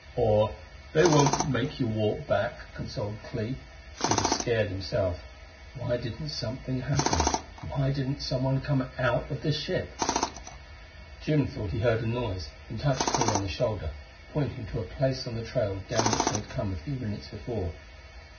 "Aw, they won't make you walk back," consoled Clee; but he was scared himself. Why didn't something happen? Why didn't someone come out of the ship? Jim thought he heard a noise, and touched Clee on the shoulder, pointing to a place on the trail down which they had come a few minutes before.